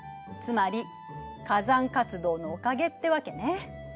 つまり火山活動のおかげってわけね。